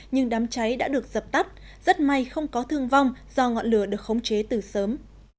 nhưng đám cháy đã được dập tắt rất may không có thương vong do ngọn lửa được khống chế từ sớm